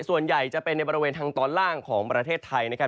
ส่วนใหญ่จะเป็นในบริเวณทางตอนล่างของประเทศไทยนะครับ